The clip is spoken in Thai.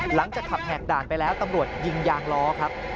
หลังจากขับแหกด่านไปแล้วตำรวจยิงยางล้อครับ